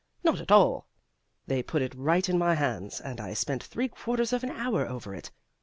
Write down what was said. Not at all. They put it right in my hands and I spent three quarters of an hour over it.